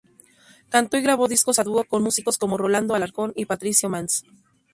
Cantó y grabó discos a dúo con músicos como Rolando Alarcón y Patricio Manns.